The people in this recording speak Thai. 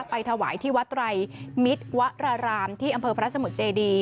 ไปถวายที่วัดไตรมิตรวรรารามที่อำเภอพระสมุทรเจดี